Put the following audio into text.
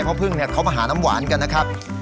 เพราะพึ่งเขามาหาน้ำหวานกันนะครับ